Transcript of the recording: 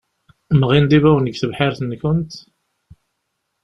Mɣin-d ibawen deg tebḥirt-nkent?